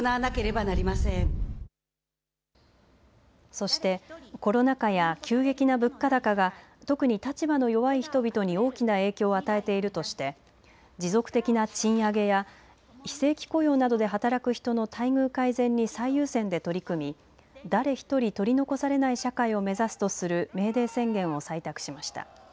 そしてコロナ禍や急激な物価高が特に立場の弱い人々に大きな影響を与えているとして持続的な賃上げや非正規雇用などで働く人の待遇改善に最優先で取り組み誰ひとり取り残されない社会を目指すとするメーデー宣言を採択しました。